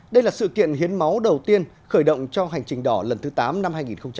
đây là sự kiện hiến máu đầu tiên khởi động cho hành trình đỏ lần thứ tám năm hai nghìn hai mươi